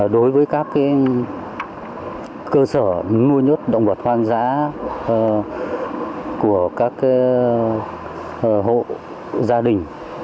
đối với các cơ sở nuôi nhốt động vật hoang dã của các hộ gia đình